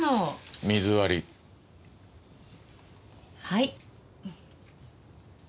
はい。